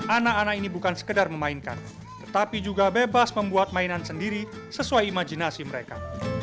anak anak ini bukan sekedar memainkan tetapi juga bebas membuat mainan sendiri sesuai imajinasi mereka